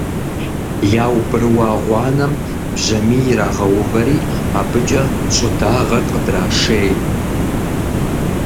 Яубрыуа гъуанэм бжьамий ирагъэувэри абыкӀэ щӀыдагъэр къыдрашей.